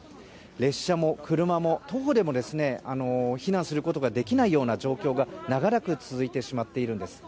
列車も車も徒歩でも避難することができないような状況が長らく続いているんです。